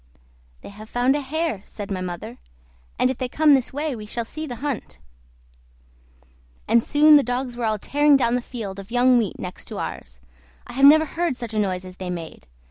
"They have found a hare," said my mother, "and if they come this way we shall see the hunt." And soon the dogs were all tearing down the field of young wheat next to ours. I never heard such a noise as they made.